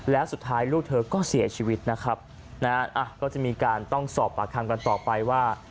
แล้วสุดท้ายลูกเธอก็เสียชีวิตนะครับนะฮะก็จะมีการต้องสอบปากคำกันต่อไปว่า